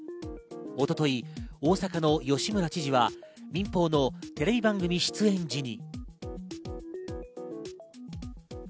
一昨日、大阪の吉村知事は民放のテレビ番組出演時に。